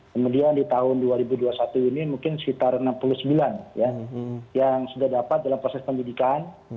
kemudian di tahun dua ribu dua puluh satu ini mungkin sekitar enam puluh sembilan ya yang sudah dapat dalam proses penyidikan